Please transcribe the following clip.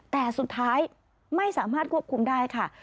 แต่สุดท้ายไม่สามารถควบคุมได้ค่ะ